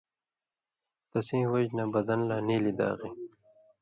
تسیں وجہۡ نہ بدنہ لا نیلیۡ داغی،